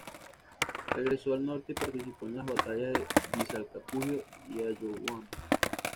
Regresó al norte y participó en las batalla de Vilcapugio y Ayohuma.